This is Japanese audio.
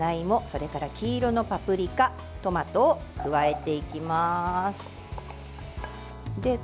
それから黄色のパプリカトマトを加えていきます。